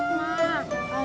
bagaimana sih pak